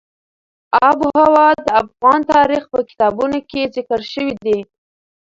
آب وهوا د افغان تاریخ په کتابونو کې ذکر شوی دي.